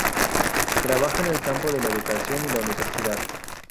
Trabaja en el campo de la educación y la universidad.